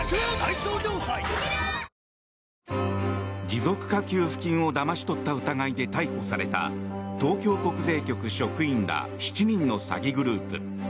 持続化給付金をだまし取った疑いで逮捕された東京国税局職員ら７人の詐欺グループ。